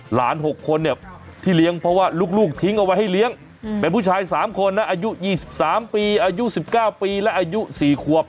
๖คนเนี่ยที่เลี้ยงเพราะว่าลูกทิ้งเอาไว้ให้เลี้ยงเป็นผู้ชาย๓คนนะอายุ๒๓ปีอายุ๑๙ปีและอายุ๔ขวบ